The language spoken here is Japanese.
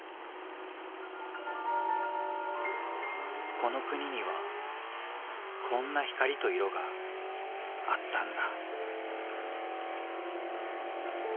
この国にはこんな光と色があったんだ。